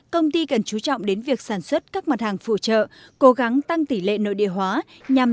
công ty cần chú trọng đến việc sản xuất các mặt hàng phụ trợ cố gắng tăng tỷ lệ nội địa hóa nhằm